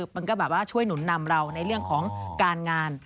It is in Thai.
มันก็แบบว่าช่วยหนุนนำเราในเรื่องของการงาน